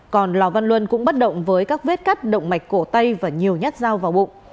còn lò văn luân cũng bắt động với các vết cắt động mạch cổ tay và nhiều nhát dao vào bụng